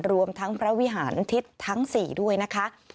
รวมทั้งพระวิหารอาทิตย์ทั้งสี่ด้วยนะคะ